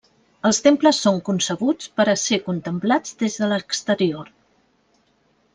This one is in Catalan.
Els temples són concebuts per a ser contemplats des de l'exterior.